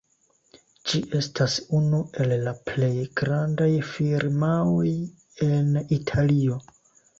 Ĝi estas unu el la plej grandaj firmaoj en Italio.